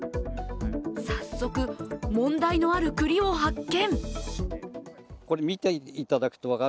早速、問題のある栗を発見。